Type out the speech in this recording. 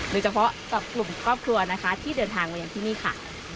โดยเฉพาะกับกลุ่มครอบครัวนะคะที่เดินทางมาอย่างที่นี่ค่ะ